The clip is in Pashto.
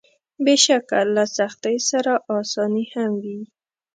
بېشکه له سختۍ سره اساني هم وي.